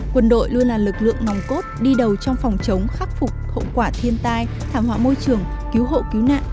quân đội luôn là lực lượng nòng cốt đi đầu trong phòng chống khắc phục hậu quả thiên tai thảm họa môi trường cứu hộ cứu nạn